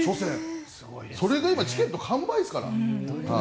それが今チケット完売ですから。